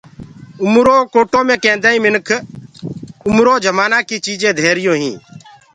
اُمرڪوٽو مي ڪيندآئين منک اُمرو جمآنآ ڪي چيجين ڌيريون هين